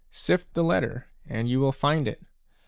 Sift the letter, and you will find it.